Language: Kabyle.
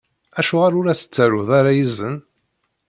Acuɣer ur as-tettaruḍ ara izen?